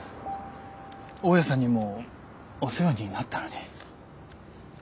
大家さんにもお世話になったのに。